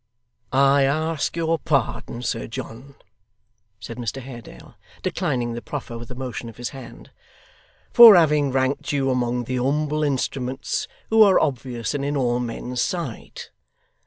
'I ask your pardon, Sir John,' said Mr Haredale, declining the proffer with a motion of his hand, 'for having ranked you among the humble instruments who are obvious and in all men's sight.